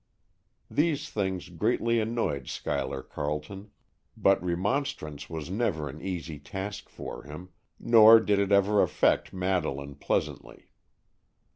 These things greatly annoyed Schuyler Carleton, but remonstrance was never an easy task for him, nor did it ever affect Madeleine pleasantly.